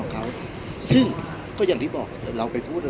พี่อัดมาสองวันไม่มีใครรู้หรอก